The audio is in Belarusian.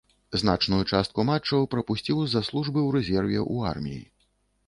Значную частку матчаў прапусціў з-за службы ў рэзерве ў арміі.